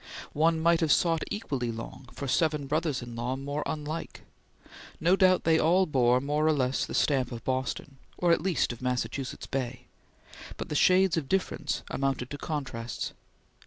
One might have sought equally long for seven brothers in law more unlike. No doubt they all bore more or less the stamp of Boston, or at least of Massachusetts Bay, but the shades of difference amounted to contrasts.